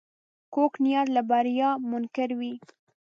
کوږ نیت له بریا منکر وي